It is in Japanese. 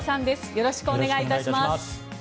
よろしくお願いします。